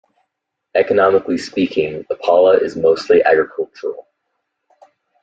Economically speaking, Ipala is mostly agricultural.